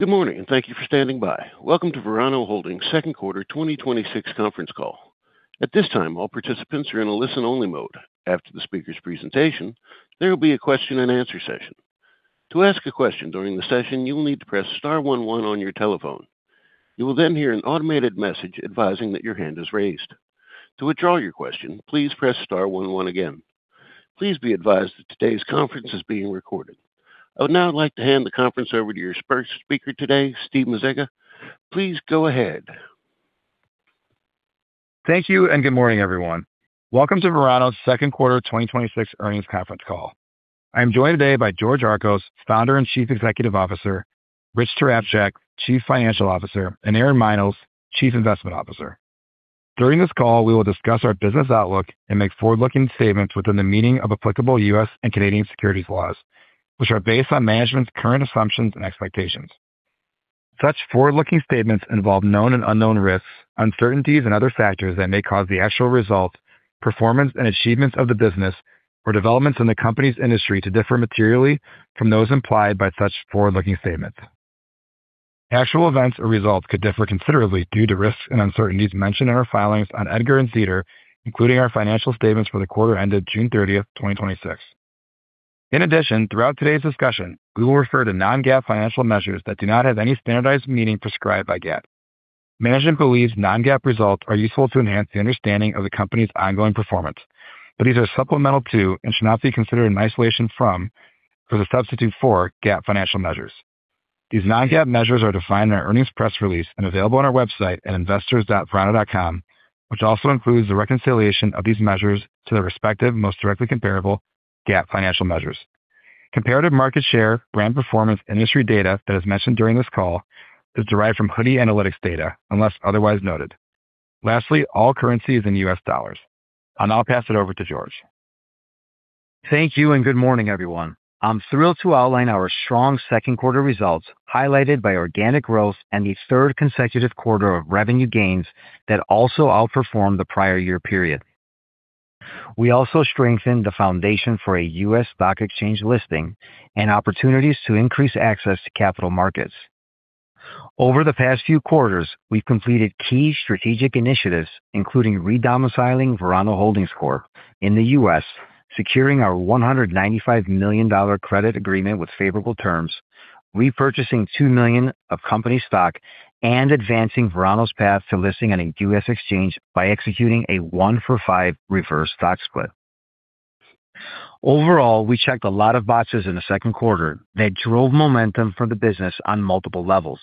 Good morning. Thank you for standing by. Welcome to Verano Holdings' second quarter 2026 conference call. At this time, all participants are in a listen-only mode. After the speaker's presentation, there will be a question and answer session. To ask a question during the session, you will need to press star one one on your telephone. You will then hear an automated message advising that your hand is raised. To withdraw your question, please press star one one again. Please be advised that today's conference is being recorded. I would now like to hand the conference over to your first speaker today, Steve Mazeika. Please go ahead. Thank you. Good morning, everyone. Welcome to Verano's second quarter 2026 earnings conference call. I am joined today by George Archos, Founder and Chief Executive Officer, Rich Tarapchak, Chief Financial Officer, and Aaron Miles, Chief Investment Officer. During this call, we will discuss our business outlook and make forward-looking statements within the meaning of applicable U.S. and Canadian securities laws, which are based on management's current assumptions and expectations. Such forward-looking statements involve known and unknown risks, uncertainties, and other factors that may cause the actual result, performance, and achievements of the business or developments in the company's industry to differ materially from those implied by such forward-looking statements. Actual events or results could differ considerably due to risks and uncertainties mentioned in our filings on EDGAR and SEDAR, including our financial statements for the quarter ended June 30th, 2026. Throughout today's discussion, we will refer to non-GAAP financial measures that do not have any standardized meaning prescribed by GAAP. Management believes non-GAAP results are useful to enhance the understanding of the company's ongoing performance, but these are supplemental to and should not be considered in isolation from or the substitute for GAAP financial measures. These non-GAAP measures are defined in our earnings press release and available on our website at investors.verano.com, which also includes the reconciliation of these measures to their respective, most directly comparable GAAP financial measures. Comparative market share, brand performance, industry data that is mentioned during this call is derived from Hoodie Analytics data, unless otherwise noted. Lastly, all currency is in U.S. dollars. I'll now pass it over to George. Thank you. Good morning, everyone. I'm thrilled to outline our strong second quarter results, highlighted by organic growth and the third consecutive quarter of revenue gains that also outperformed the prior year period. We also strengthened the foundation for a U.S. stock exchange listing and opportunities to increase access to capital markets. Over the past few quarters, we've completed key strategic initiatives, including re-domiciling Verano Holdings Corp in the U.S., securing our $195 million credit agreement with favorable terms, repurchasing $2 million of company stock, and advancing Verano's path to listing on a U.S. exchange by executing a one-for-five reverse stock split. Overall, we checked a lot of boxes in the second quarter that drove momentum for the business on multiple levels.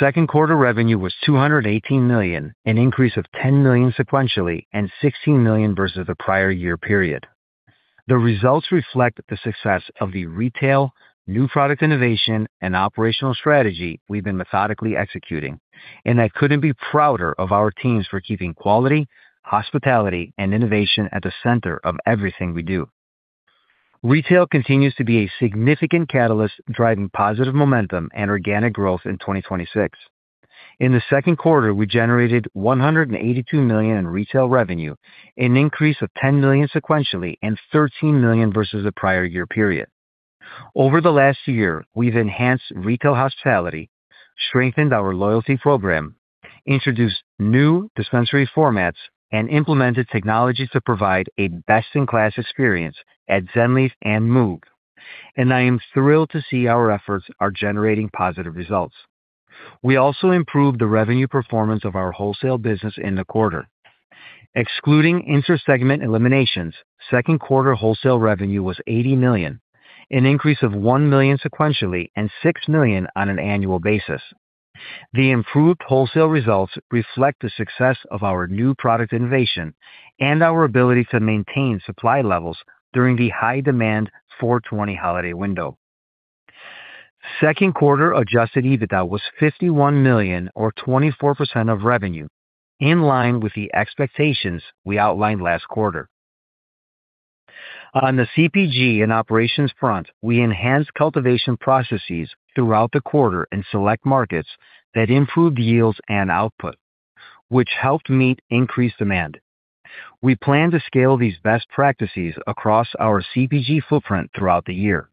Second quarter revenue was $218 million, an increase of $10 million sequentially and $16 million versus the prior year period. The results reflect the success of the retail, new product innovation, and operational strategy we've been methodically executing. I couldn't be prouder of our teams for keeping quality, hospitality, and innovation at the center of everything we do. Retail continues to be a significant catalyst, driving positive momentum and organic growth in 2026. In the second quarter, we generated $182 million in retail revenue, an increase of $10 million sequentially and $13 million versus the prior year period. Over the last year, we've enhanced retail hospitality, strengthened our loyalty program, introduced new dispensary formats, and implemented technology to provide a best-in-class experience at Zen Leaf and MÜV. I am thrilled to see our efforts are generating positive results. We also improved the revenue performance of our wholesale business in the quarter. Excluding inter-segment eliminations, second quarter wholesale revenue was $80 million, an increase of $1 million sequentially and $6 million on an annual basis. The improved wholesale results reflect the success of our new product innovation and our ability to maintain supply levels during the high-demand 420 holiday window. Second quarter adjusted EBITDA was $51 million, or 24% of revenue, in line with the expectations we outlined last quarter. On the CPG and operations front, we enhanced cultivation processes throughout the quarter in select markets that improved yields and output, which helped meet increased demand. We plan to scale these best practices across our CPG footprint throughout the year.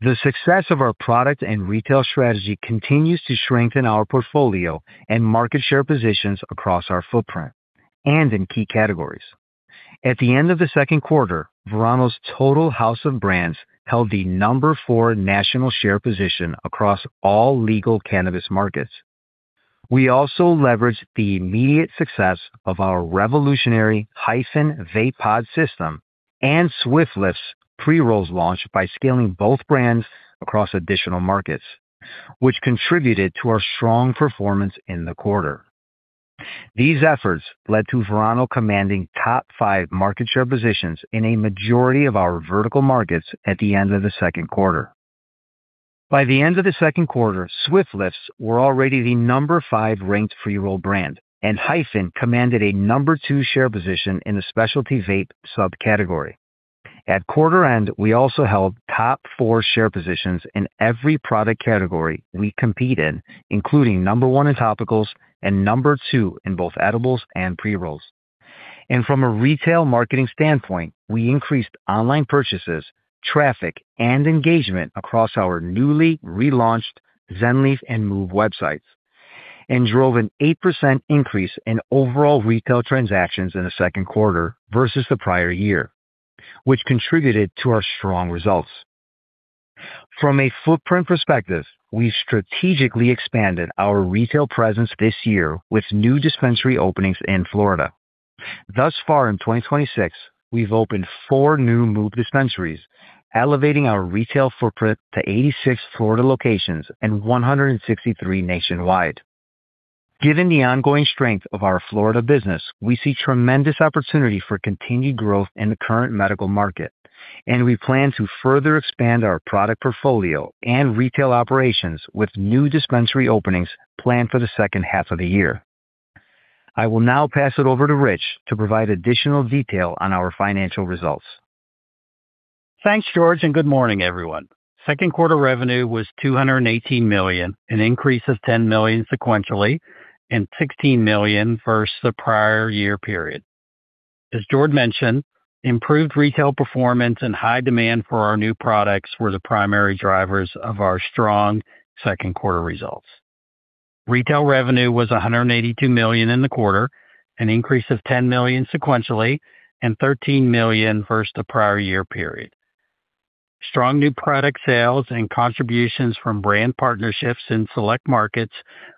The success of our product and retail strategy continues to strengthen our portfolio and market share positions across our footprint and in key categories. At the end of the second quarter, Verano's total house of brands held the number four national share position across all legal cannabis markets. We also leveraged the immediate success of our revolutionary HYPHEN vape pod system and Swift Lifts pre-rolls launch by scaling both brands across additional markets, which contributed to our strong performance in the quarter. These efforts led to Verano commanding top five market share positions in a majority of our vertical markets at the end of the second quarter. By the end of the second quarter, Swift Lifts were already the number five-ranked pre-roll brand, and HYPHEN commanded a number two share position in the specialty vape subcategory. At quarter end, we also held top four share positions in every product category we compete in, including number one in topicals and number two in both edibles and pre-rolls. From a retail marketing standpoint, we increased online purchases, traffic, and engagement across our newly relaunched Zen Leaf and MÜV websites. We drove an 8% increase in overall retail transactions in the second quarter versus the prior year, which contributed to our strong results. From a footprint perspective, we strategically expanded our retail presence this year with new dispensary openings in Florida. Thus far in 2026, we've opened four new MÜV dispensaries, elevating our retail footprint to 86 Florida locations and 163 nationwide. Given the ongoing strength of our Florida business, we see tremendous opportunity for continued growth in the current medical market. We plan to further expand our product portfolio and retail operations with new dispensary openings planned for the second half of the year. I will now pass it over to Rich to provide additional detail on our financial results. Thanks, George, and good morning, everyone. Second quarter revenue was $218 million, an increase of $10 million sequentially, and $16 million versus the prior year period. As George mentioned, improved retail performance and high demand for our new products were the primary drivers of our strong second quarter results. Retail revenue was $182 million in the quarter, an increase of $10 million sequentially, and $13 million versus the prior year period. Strong new product sales and contributions from brand partnerships in select markets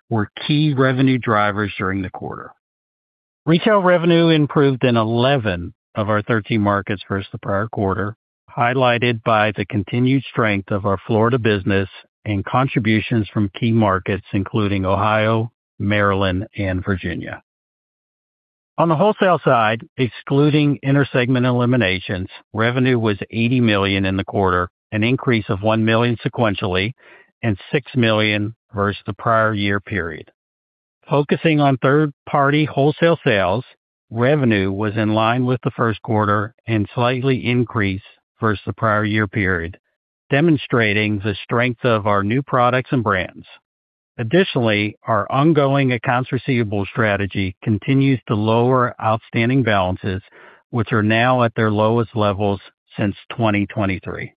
were key revenue drivers during the quarter. Retail revenue improved in 11 of our 13 markets versus the prior quarter, highlighted by the continued strength of our Florida business and contributions from key markets including Ohio, Maryland, and Virginia. On the wholesale side, excluding inter-segment eliminations, revenue was $80 million in the quarter, an increase of $1 million sequentially, and $6 million versus the prior year period. Focusing on third-party wholesale sales, revenue was in line with the first quarter and slightly increased versus the prior year period, demonstrating the strength of our new products and brands. Additionally, our ongoing accounts receivable strategy continues to lower outstanding balances, which are now at their lowest levels since 2023.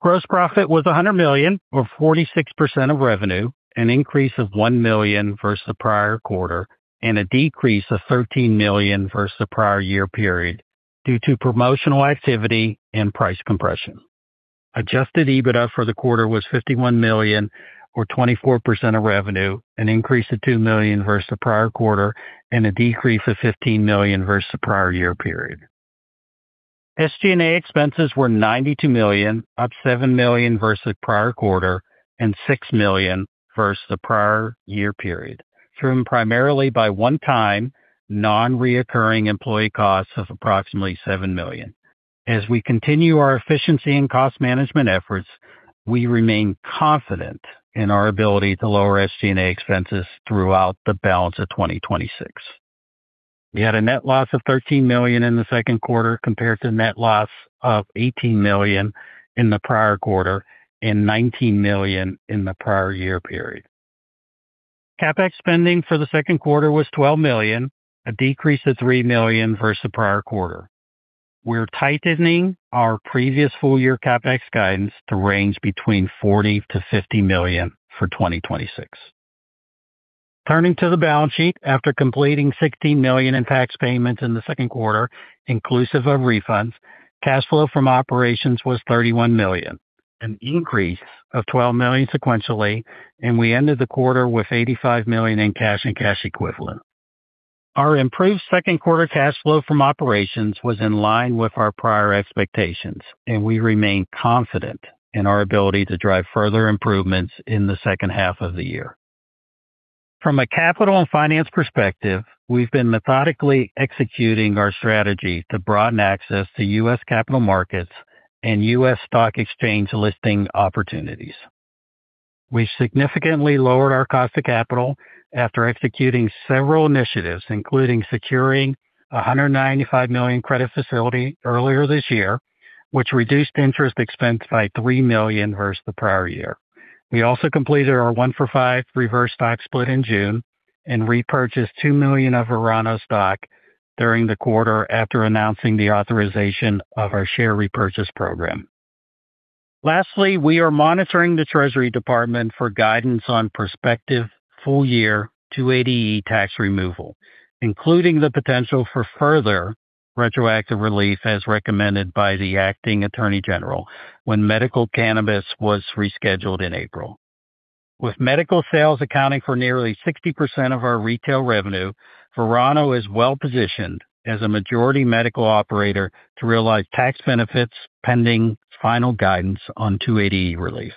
Gross profit was $100 million or 46% of revenue, an increase of $1 million versus the prior quarter, and a decrease of $13 million versus the prior year period due to promotional activity and price compression. Adjusted EBITDA for the quarter was $51 million or 24% of revenue, an increase of $2 million versus the prior quarter and a decrease of $15 million versus the prior year period. SG&A expenses were $92 million, up $7 million versus the prior quarter and $6 million versus the prior year period, driven primarily by one-time non-reoccurring employee costs of approximately $7 million. As we continue our efficiency and cost management efforts, we remain confident in our ability to lower SG&A expenses throughout the balance of 2026. We had a net loss of $13 million in the second quarter compared to net loss of $18 million in the prior quarter and $19 million in the prior year period. CapEx spending for the second quarter was $12 million, a decrease of $3 million versus the prior quarter. We are tightening our previous full-year CapEx guidance to range between $40 million to $50 million for 2026. Turning to the balance sheet, after completing $16 million in tax payments in the second quarter, inclusive of refunds, cash flow from operations was $31 million, an increase of $12 million sequentially, and we ended the quarter with $85 million in cash and cash equivalents. Our improved second quarter cash flow from operations was in line with our prior expectations, and we remain confident in our ability to drive further improvements in the second half of the year. From a capital and finance perspective, we have been methodically executing our strategy to broaden access to U.S. capital markets and U.S. stock exchange listing opportunities. We significantly lowered our cost of capital after executing several initiatives, including securing $195 million credit facility earlier this year, which reduced interest expense by $3 million versus the prior year. We also completed our one-for-five reverse stock split in June and repurchased $2 million of Verano stock during the quarter after announcing the authorization of our share repurchase program. We are monitoring the Treasury Department for guidance on prospective full-year 280E tax removal, including the potential for further retroactive relief as recommended by the acting attorney general when medical cannabis was rescheduled in April. With medical sales accounting for nearly 60% of our retail revenue, Verano is well-positioned as a majority medical operator to realize tax benefits pending final guidance on 280E relief.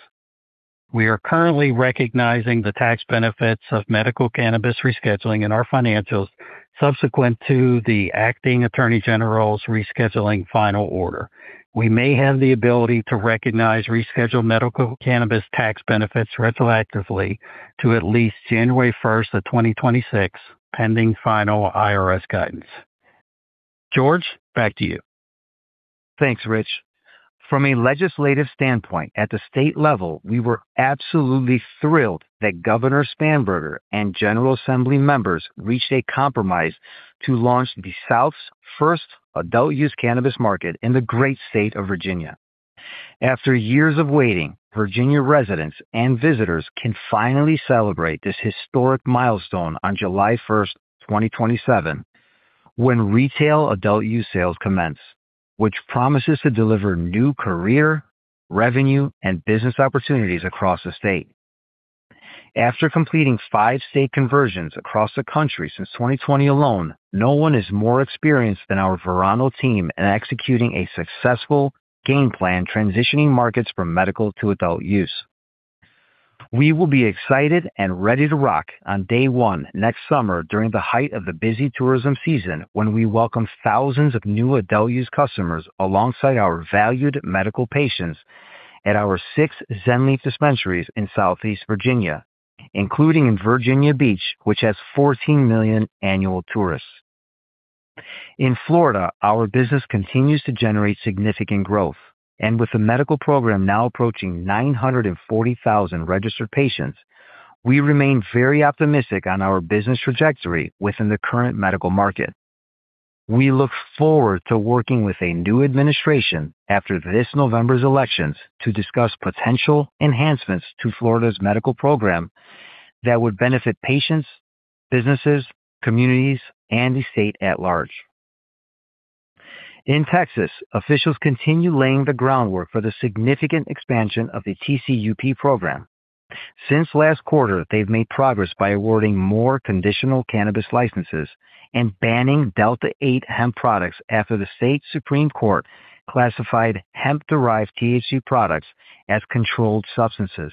We are currently recognizing the tax benefits of medical cannabis rescheduling in our financials subsequent to the acting attorney general's rescheduling final order. We may have the ability to recognize rescheduled medical cannabis tax benefits retroactively to at least January 1st of 2026, pending final IRS guidance. George, back to you. Thanks, Rich. From a legislative standpoint, at the state level, we were absolutely thrilled that Governor Abigail and General Assembly members reached a compromise to launch the South's first adult-use cannabis market in the great state of Virginia. After years of waiting, Virginia residents and visitors can finally celebrate this historic milestone on July 1st, 2027, when retail adult-use sales commence, which promises to deliver new career, revenue, and business opportunities across the state. After completing five state conversions across the country since 2020 alone, no one is more experienced than our Verano team in executing a successful game plan transitioning markets from medical to adult use. We will be excited and ready to rock on day one next summer during the height of the busy tourism season, when we welcome thousands of new adult-use customers alongside our valued medical patients at our six Zen Leaf dispensaries in southeast Virginia, including in Virginia Beach, which has 14 million annual tourists. In Florida, our business continues to generate significant growth. With the medical program now approaching 940,000 registered patients, we remain very optimistic on our business trajectory within the current medical market. We look forward to working with a new administration after this November's elections to discuss potential enhancements to Florida's medical program that would benefit patients, businesses, communities, and the state at large. In Texas, officials continue laying the groundwork for the significant expansion of the TCUP program. Since last quarter, they've made progress by awarding more conditional cannabis licenses and banning Delta-8 hemp products after the state Supreme Court classified hemp-derived THC products as controlled substances.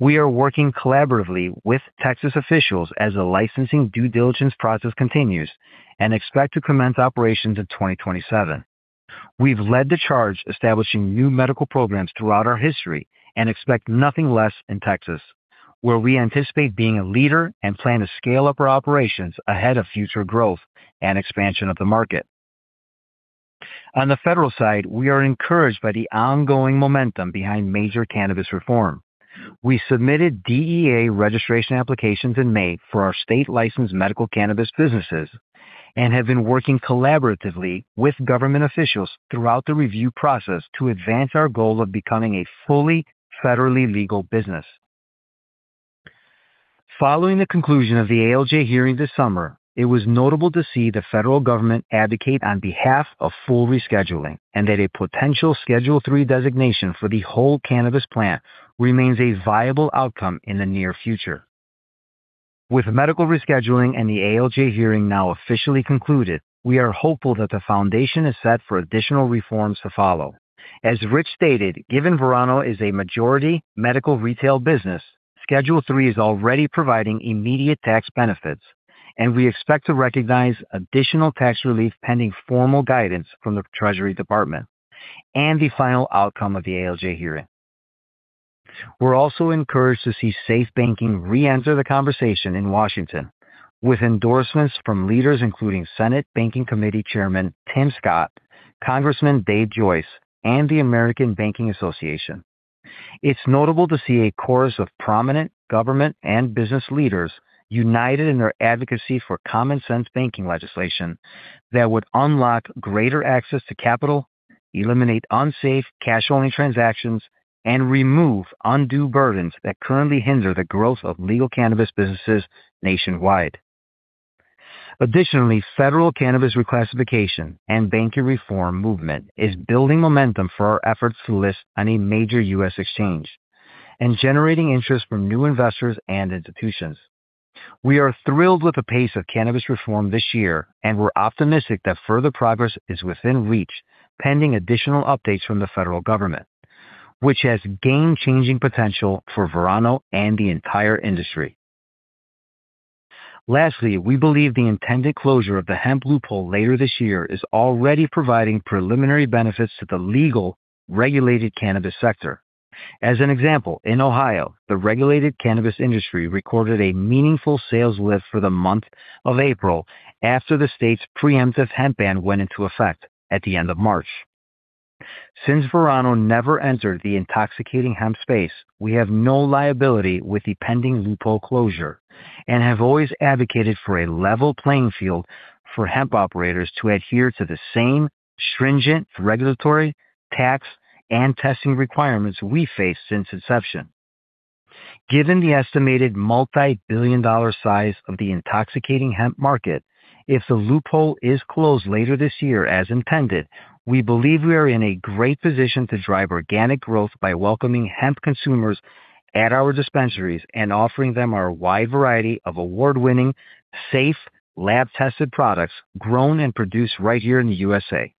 We are working collaboratively with Texas officials as the licensing due diligence process continues and expect to commence operations in 2027. We've led the charge establishing new medical programs throughout our history and expect nothing less in Texas, where we anticipate being a leader and plan to scale up our operations ahead of future growth and expansion of the market. On the federal side, we are encouraged by the ongoing momentum behind major cannabis reform. We submitted DEA registration applications in May for our state-licensed medical cannabis businesses and have been working collaboratively with government officials throughout the review process to advance our goal of becoming a fully federally legal business. Following the conclusion of the ALJ hearing this summer, it was notable to see the federal government advocate on behalf of full rescheduling, and that a potential Schedule III designation for the whole cannabis plant remains a viable outcome in the near future. With medical rescheduling and the ALJ hearing now officially concluded, we are hopeful that the foundation is set for additional reforms to follow. As Rich stated, given Verano is a majority medical retail business, Schedule III is already providing immediate tax benefits, and we expect to recognize additional tax relief pending formal guidance from the Treasury Department and the final outcome of the ALJ hearing. We're also encouraged to see SAFE Banking reenter the conversation in Washington, with endorsements from leaders including Senate Banking Committee Chairman Tim Scott, Congressman Dave Joyce, and the American Bankers Association. It's notable to see a chorus of prominent government and business leaders united in their advocacy for common-sense banking legislation that would unlock greater access to capital, eliminate unsafe cash-only transactions, and remove undue burdens that currently hinder the growth of legal cannabis businesses nationwide. Additionally, federal cannabis reclassification and banking reform movement is building momentum for our efforts to list on a major U.S. exchange and generating interest from new investors and institutions. We are thrilled with the pace of cannabis reform this year, and we're optimistic that further progress is within reach pending additional updates from the federal government, which has game-changing potential for Verano and the entire industry. Lastly, we believe the intended closure of the hemp loophole later this year is already providing preliminary benefits to the legal regulated cannabis sector. As an example, in Ohio, the regulated cannabis industry recorded a meaningful sales lift for the month of April after the state's preemptive hemp ban went into effect at the end of March. Since Verano never entered the intoxicating hemp space, we have no liability with the pending loophole closure and have always advocated for a level playing field for hemp operators to adhere to the same stringent regulatory, tax, and testing requirements we faced since inception. Given the estimated multi-billion dollar size of the intoxicating hemp market, if the loophole is closed later this year as intended, we believe we are in a great position to drive organic growth by welcoming hemp consumers at our dispensaries and offering them our wide variety of award-winning, safe, lab-tested products grown and produced right here in the U.S.A.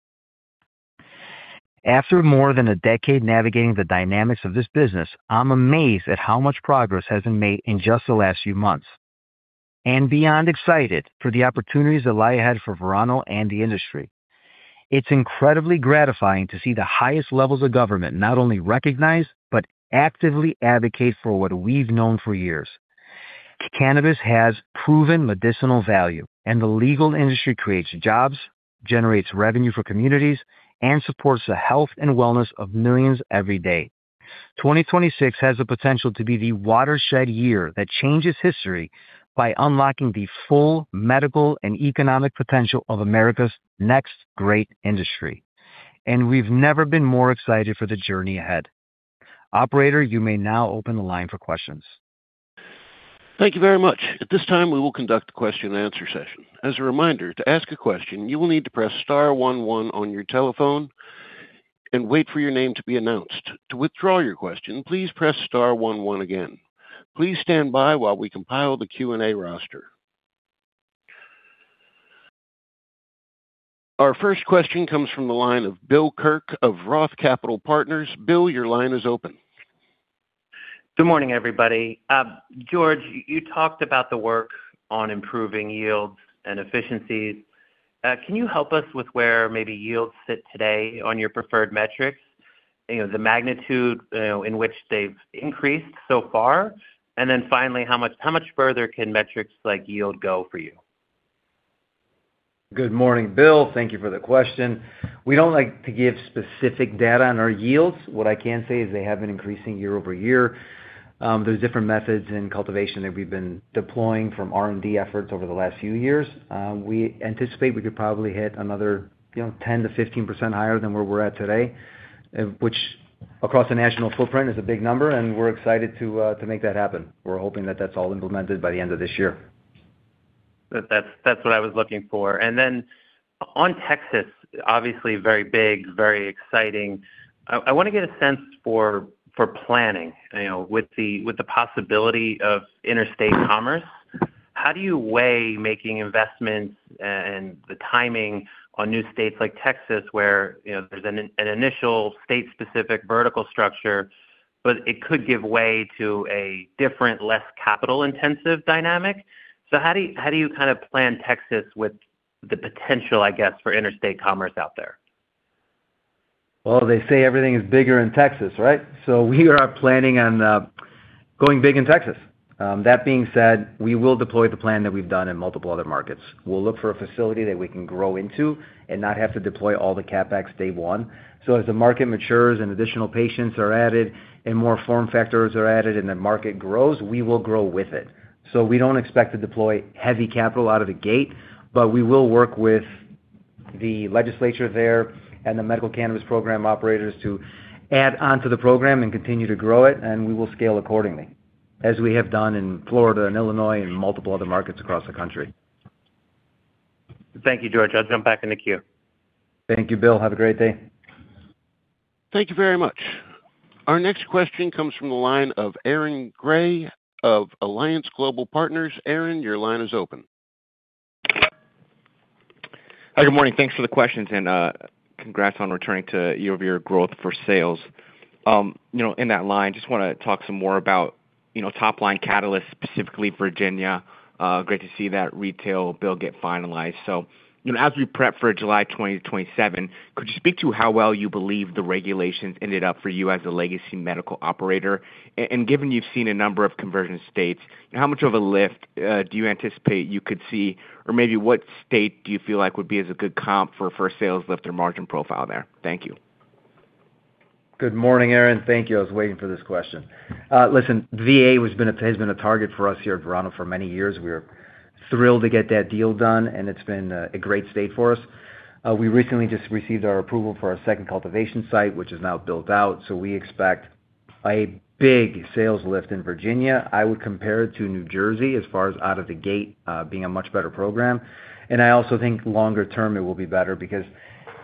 After more than a decade navigating the dynamics of this business, I'm amazed at how much progress has been made in just the last few months and beyond excited for the opportunities that lie ahead for Verano and the industry. It's incredibly gratifying to see the highest levels of government not only recognize but actively advocate for what we've known for years. Cannabis has proven medicinal value. The legal industry creates jobs, generates revenue for communities, and supports the health and wellness of millions every day. 2026 has the potential to be the watershed year that changes history by unlocking the full medical and economic potential of America's next great industry. We've never been more excited for the journey ahead. Operator, you may now open the line for questions. Thank you very much. At this time, we will conduct the question and answer session. As a reminder, to ask a question, you will need to press star one one on your telephone and wait for your name to be announced. To withdraw your question, please press star one one again. Please stand by while we compile the Q&A roster. Our first question comes from the line of Bill Kirk of Roth Capital Partners. Bill, your line is open. Good morning, everybody. George, you talked about the work on improving yields and efficiencies. Can you help us with where maybe yields sit today on your preferred metrics, the magnitude in which they've increased so far, and then finally, how much further can metrics like yield go for you? Good morning, Bill. Thank you for the question. We don't like to give specific data on our yields. What I can say is they have been increasing year-over-year. There's different methods in cultivation that we've been deploying from R&D efforts over the last few years. We anticipate we could probably hit another 10%-15% higher than where we're at today, which across the national footprint is a big number. We're excited to make that happen. We're hoping that that's all implemented by the end of this year. That's what I was looking for. On Texas, obviously very big, very exciting. I want to get a sense for planning. With the possibility of interstate commerce, how do you weigh making investments and the timing on new states like Texas, where there's an initial state-specific vertical structure, but it could give way to a different, less capital-intensive dynamic? How do you kind of plan Texas with the potential, I guess, for interstate commerce out there? Well, they say everything is bigger in Texas, right? We are planning on going big in Texas. That being said, we will deploy the plan that we've done in multiple other markets. We'll look for a facility that we can grow into and not have to deploy all the CapEx day one. As the market matures and additional patients are added and more form factors are added and the market grows, we will grow with it. We don't expect to deploy heavy capital out of the gate, but we will work with the legislature there and the medical cannabis program operators to add onto the program and continue to grow it, and we will scale accordingly, as we have done in Florida and Illinois and multiple other markets across the country. Thank you, George. I'll jump back in the queue. Thank you, Bill. Have a great day. Thank you very much. Our next question comes from the line of Aaron Grey of Alliance Global Partners. Aaron, your line is open. Hi, good morning. Thanks for the questions. Congrats on returning to year-over-year growth for sales. In that line, just want to talk some more about top-line catalysts, specifically Virginia. Great to see that retail bill get finalized. As we prep for July 2027, could you speak to how well you believe the regulations ended up for you as a legacy medical operator? Given you've seen a number of conversion states, how much of a lift do you anticipate you could see, or maybe what state do you feel like would be as a good comp for a first sales lift or margin profile there? Thank you. Good morning, Aaron. Thank you. I was waiting for this question. Listen, VA has been a target for us here at Verano for many years. We are thrilled to get that deal done. It's been a great state for us. We recently just received our approval for our second cultivation site, which is now built out. We expect a big sales lift in Virginia. I would compare it to New Jersey as far as out of the gate, being a much better program. I also think longer term, it will be better because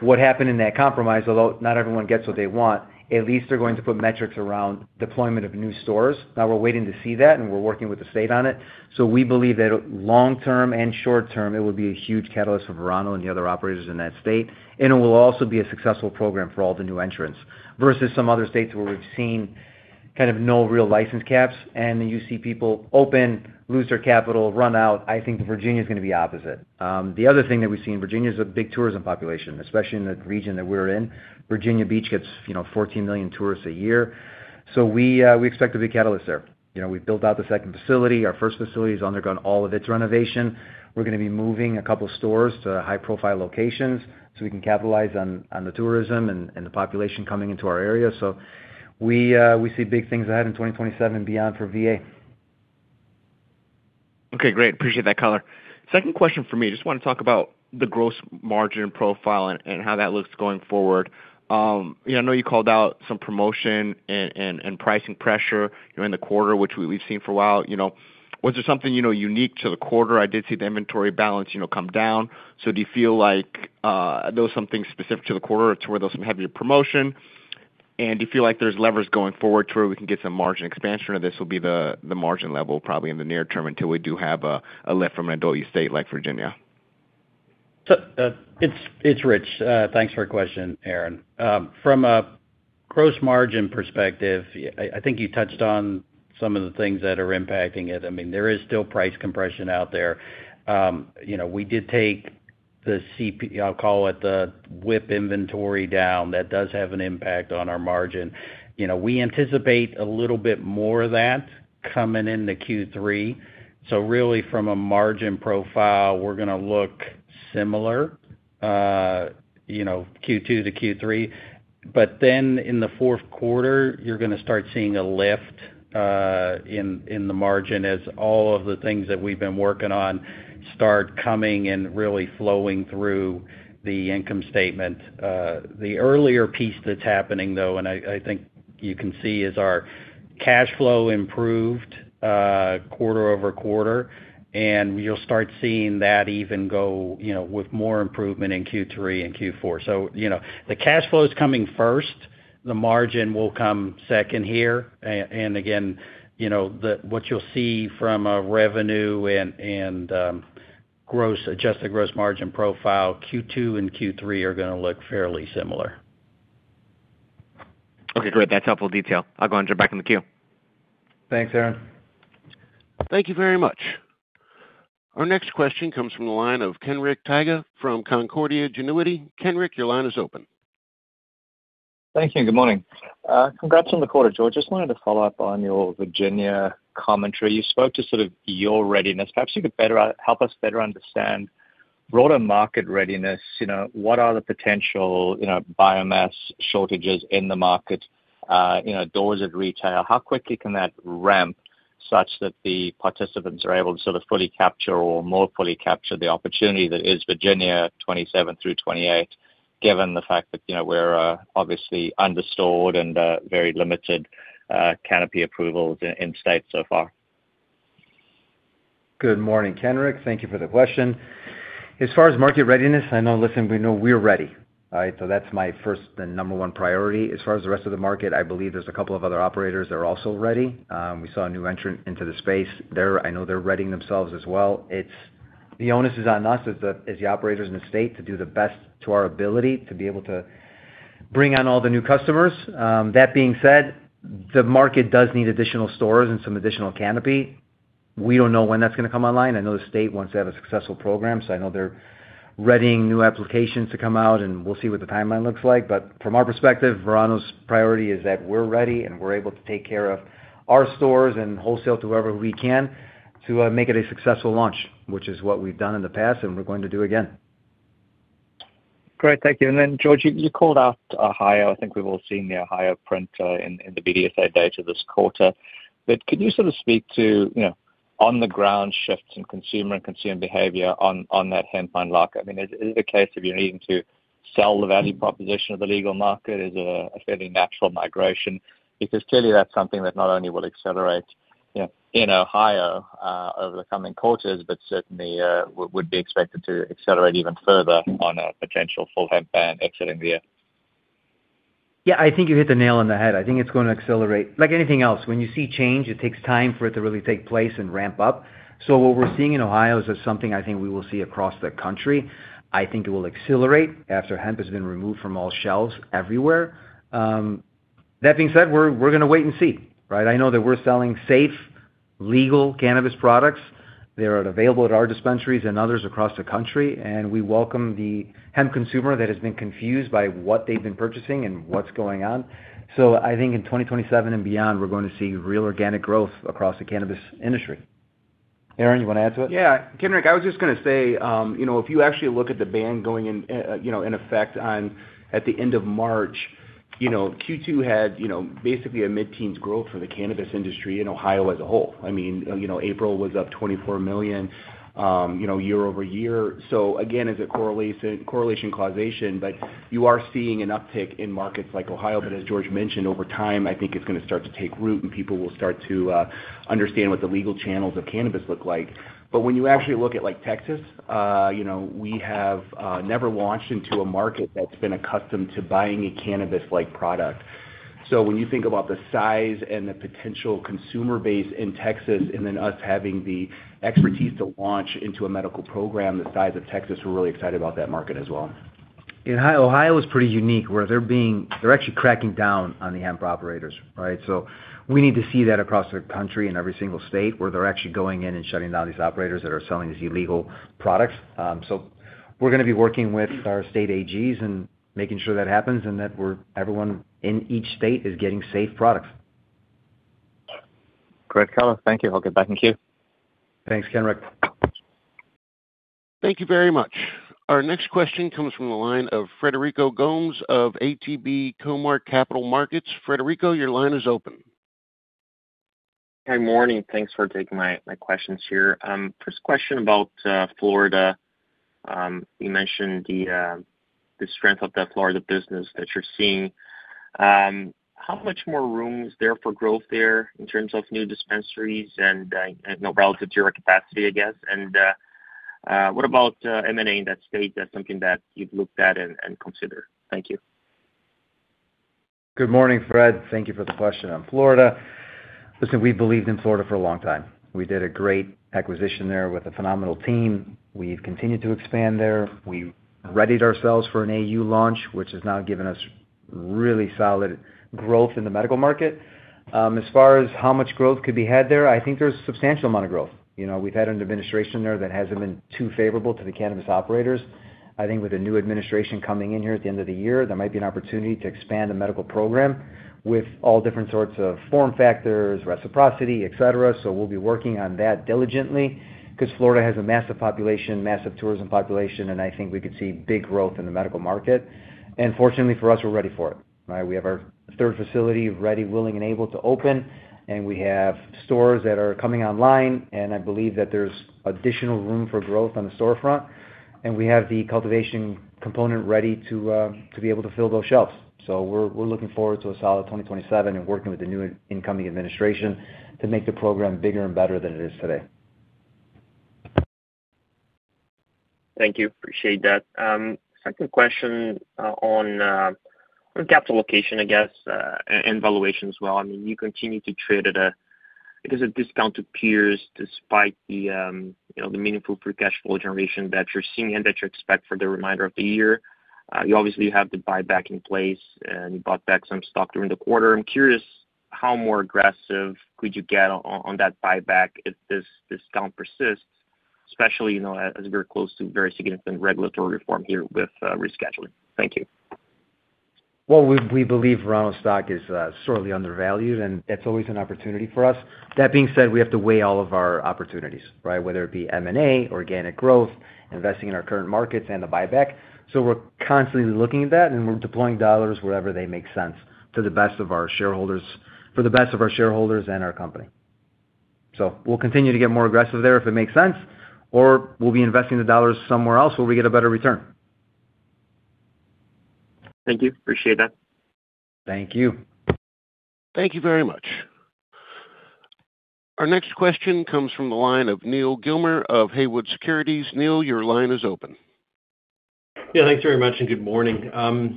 what happened in that compromise, although not everyone gets what they want, at least they're going to put metrics around deployment of new stores. Now we're waiting to see that, and we're working with the state on it. We believe that long-term and short-term, it will be a huge catalyst for Verano and the other operators in that state, and it will also be a successful program for all the new entrants, versus some other states where we've seen kind of no real license caps, and then you see people open, lose their capital, run out. I think Virginia is going to be opposite. The other thing that we see in Virginia is a big tourism population, especially in the region that we're in. Virginia Beach gets 14 million tourists a year. We expect to be a catalyst there. We've built out the second facility. Our first facility has undergone all of its renovation. We're going to be moving a couple stores to high-profile locations so we can capitalize on the tourism and the population coming into our area. We see big things ahead in 2027 and beyond for VA. Okay, great. Appreciate that color. Second question for me. Just want to talk about the gross margin profile and how that looks going forward. I know you called out some promotion and pricing pressure during the quarter, which we've seen for a while. Was there something unique to the quarter? I did see the inventory balance come down. Do you feel like that was something specific to the quarter to where there was some heavier promotion? Do you feel like there's levers going forward to where we can get some margin expansion, or this will be the margin level probably in the near term until we do have a lift from an adult use state like Virginia? It's Rich. Thanks for the question, Aaron. From a gross margin perspective, I think you touched on some of the things that are impacting it. There is still price compression out there. We did take. The CP, I'll call it the WIP inventory down, that does have an impact on our margin. We anticipate a little bit more of that coming into Q3. Really from a margin profile, we're going to look similar, Q2 to Q3. In the fourth quarter, you're going to start seeing a lift in the margin as all of the things that we've been working on start coming and really flowing through the income statement. The earlier piece that's happening though, and I think you can see, is our cash flow improved quarter-over-quarter. You'll start seeing that even go with more improvement in Q3 and Q4. The cash flow is coming first. The margin will come second here. Again, what you'll see from a revenue and adjusted gross margin profile, Q2 and Q3 are going to look fairly similar. Okay, great. That's helpful detail. I'll go and jump back in the queue. Thanks, Aaron. Thank you very much. Our next question comes from the line of Kenric Tyghe from Canaccord Genuity. Kenric, your line is open. Thank you and good morning. Congrats on the quarter, George. Just wanted to follow up on your Virginia commentary. You spoke to sort of your readiness. Perhaps you could help us better understand broader market readiness. What are the potential biomass shortages in the market? Doors at retail, how quickly can that ramp such that the participants are able to sort of fully capture or more fully capture the opportunity that is Virginia 2027 through 2028, given the fact that we're obviously under-stored and very limited canopy approvals in state so far? Good morning, Kenric. Thank you for the question. As far as market readiness, I know, listen, we know we're ready. All right. That's my first and number one priority. As far as the rest of the market, I believe there's a couple of other operators that are also ready. We saw a new entrant into the space there. I know they're readying themselves as well. The onus is on us as the operators in the state to do the best to our ability to be able to bring on all the new customers. That being said, the market does need additional stores and some additional canopy. We don't know when that's going to come online. I know the state wants to have a successful program, so I know they're readying new applications to come out, and we'll see what the timeline looks like. From our perspective, Verano's priority is that we're ready and we're able to take care of our stores and wholesale to whoever we can to make it a successful launch, which is what we've done in the past and we're going to do again. Great. Thank you. George, you called out Ohio. I think we've all seen the Ohio print in the BDSA data this quarter. Could you sort of speak to on-the-ground shifts in consumer and consumer behavior on that hemp ban lock? I mean, is it a case of you needing to sell the value proposition of the legal market? Is it a fairly natural migration? Clearly that's something that not only will accelerate. Yeah. In Ohio over the coming quarters, certainly would be expected to accelerate even further on a potential full hemp ban exiting the year. Yeah, I think you hit the nail on the head. I think it's going to accelerate. Like anything else, when you see change, it takes time for it to really take place and ramp up. What we're seeing in Ohio is just something I think we will see across the country. I think it will accelerate after hemp has been removed from all shelves everywhere. That being said, we're going to wait and see, right? I know that we're selling safe, legal cannabis products. They are available at our dispensaries and others across the country, and we welcome the hemp consumer that has been confused by what they've been purchasing and what's going on. I think in 2027 and beyond, we're going to see real organic growth across the cannabis industry. Aaron, you want to add to it? Yeah. Kenric, I was just going to say, if you actually look at the ban going in effect at the end of March, Q2 had basically a mid-teens growth for the cannabis industry in Ohio as a whole. I mean, April was up $24 million year-over-year. Again, is it correlation, causation? You are seeing an uptick in markets like Ohio, but as George mentioned, over time, I think it's going to start to take root and people will start to understand what the legal channels of cannabis look like. When you actually look at Texas, we have never launched into a market that's been accustomed to buying a cannabis-like product. When you think about the size and the potential consumer base in Texas, and then us having the expertise to launch into a medical program the size of Texas, we're really excited about that market as well. Ohio is pretty unique, where they're actually cracking down on the hemp operators, right? We need to see that across the country in every single state, where they're actually going in and shutting down these operators that are selling these illegal products. We're going to be working with our state AGs and making sure that happens, and that everyone in each state is getting safe products. Great. Thank you. I'll get back in queue. Thanks, Kenric. Thank you very much. Our next question comes from the line of Frederico Gomes of ATB Capital Markets. Frederico, your line is open. Good morning. Thanks for taking my questions here. First question about Florida. You mentioned the strength of the Florida business that you're seeing. How much more room is there for growth there in terms of new dispensaries and relative to your capacity, I guess? What about M&A in that state? Is that something that you've looked at and considered? Thank you. Good morning, Fred. Thank you for the question on Florida. Listen, we've believed in Florida for a long time. We did a great acquisition there with a phenomenal team. We've continued to expand there. We readied ourselves for an AU launch, which has now given us really solid growth in the medical market. As far as how much growth could be had there, I think there's a substantial amount of growth. We've had an administration there that hasn't been too favorable to the cannabis operators. I think with the new administration coming in here at the end of the year, there might be an opportunity to expand the medical program with all different sorts of form factors, reciprocity, et cetera. We'll be working on that diligently, because Florida has a massive population, massive tourism population, and I think we could see big growth in the medical market. Fortunately for us, we're ready for it, right? We have our third facility ready, willing, and able to open, and we have stores that are coming online, and I believe that there's additional room for growth on the storefront. We have the cultivation component ready to be able to fill those shelves. We're looking forward to a solid 2027 and working with the new incoming administration to make the program bigger and better than it is today. Thank you. Appreciate that. Second question on capital allocation, I guess, and valuation as well. You continue to trade at a discount to peers despite the meaningful free cash flow generation that you're seeing and that you expect for the remainder of the year. You obviously have the buyback in place, and you bought back some stock during the quarter. I'm curious how more aggressive could you get on that buyback if this discount persists, especially as we're close to very significant regulatory reform here with rescheduling. Thank you. Well, we believe Verano stock is sorely undervalued, and that's always an opportunity for us. That being said, we have to weigh all of our opportunities, right? Whether it be M&A, organic growth, investing in our current markets, and the buyback. We're constantly looking at that, and we're deploying dollars wherever they make sense for the best of our shareholders and our company. We'll continue to get more aggressive there if it makes sense, or we'll be investing the dollars somewhere else where we get a better return. Thank you. Appreciate that. Thank you. Thank you very much. Our next question comes from the line of Neal Gilmer of Haywood Securities. Neal, your line is open. Yeah, thanks very much. Good morning.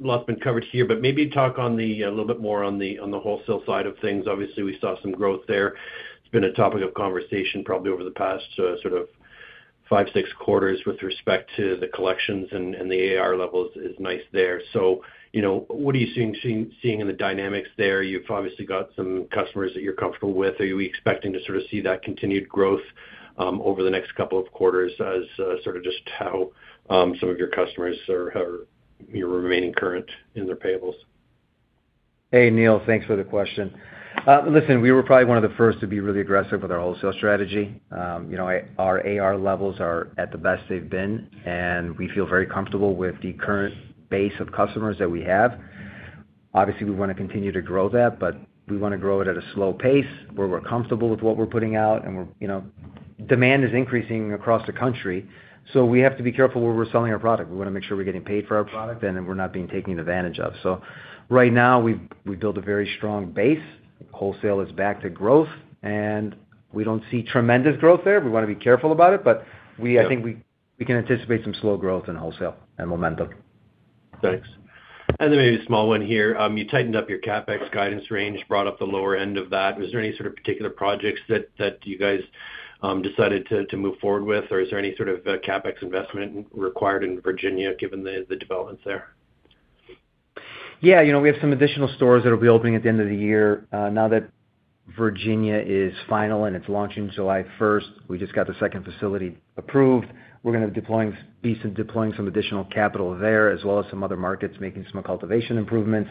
Lot's been covered here, but maybe talk a little bit more on the wholesale side of things. Obviously, we saw some growth there. It's been a topic of conversation probably over the past sort of five, six quarters with respect to the collections and the AR levels is nice there. What are you seeing in the dynamics there? You've obviously got some customers that you're comfortable with. Are you expecting to sort of see that continued growth over the next couple of quarters as sort of just how some of your customers are remaining current in their payables? Hey, Neal, thanks for the question. Listen, we were probably one of the first to be really aggressive with our wholesale strategy. Our AR levels are at the best they've been, and we feel very comfortable with the current base of customers that we have. Obviously, we want to continue to grow that, but we want to grow it at a slow pace where we're comfortable with what we're putting out, and demand is increasing across the country, so we have to be careful where we're selling our product. We want to make sure we're getting paid for our product, and then we're not being taken advantage of. Right now, we've built a very strong base. Wholesale is back to growth, and we don't see tremendous growth there. We want to be careful about it, but I think we can anticipate some slow growth in wholesale and momentum. Thanks. Maybe a small one here. You tightened up your CapEx guidance range, brought up the lower end of that. Was there any sort of particular projects that you guys decided to move forward with? Is there any sort of CapEx investment required in Virginia given the developments there? Yeah, we have some additional stores that'll be opening at the end of the year. Now that Virginia is final and it's launching July 1st, we just got the second facility approved. We're going to be deploying some additional capital there, as well as some other markets, making some cultivation improvements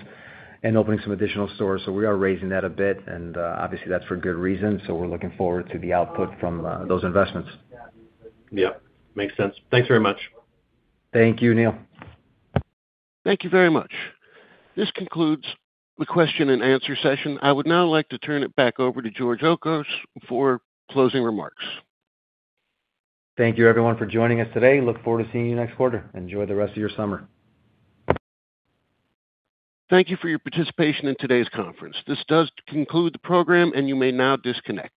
and opening some additional stores. We are raising that a bit, and obviously that's for good reason. We're looking forward to the output from those investments. Yep, makes sense. Thanks very much. Thank you, Neal. Thank you very much. This concludes the question and answer session. I would now like to turn it back over to George Archos for closing remarks. Thank you everyone for joining us today. Look forward to seeing you next quarter. Enjoy the rest of your summer. Thank you for your participation in today's conference. This does conclude the program, and you may now disconnect.